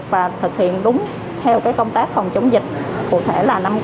và thực hiện đúng theo cái công tác phòng chống dịch phụ thể là năm k